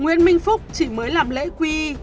nguyễn minh phúc chỉ mới làm lễ quý